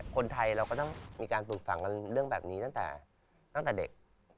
คนไทยเราก็ต้องมีการปลูกฝังกันเรื่องแบบนี้ตั้งแต่เด็ก